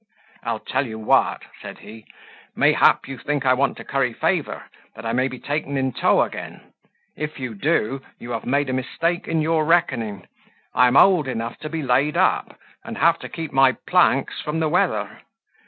"I'll tell you what," said he; "mayhap you think I want to curry favour, that I may be taken in tow again; if you do, you have made a mistake in your reckoning. I am old enough to be laid up, and have to keep my planks from the weather.